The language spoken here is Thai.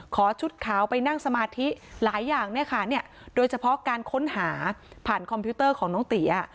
ชุดขาวไปนั่งสมาธิหลายอย่างเนี่ยค่ะโดยเฉพาะการค้นหาผ่านคอมพิวเตอร์ของน้องตี